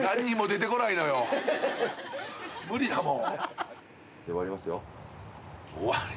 無理だもん。